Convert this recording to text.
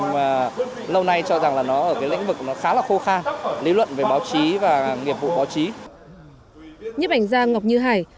mà lâu nay cho rằng là nó ở cái lĩnh vực nó khá là khô khan lý luận về báo chí và nghiệp vụ báo chí